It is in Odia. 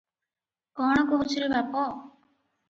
କଣ କହୁଛୁ ରେ ବାପ?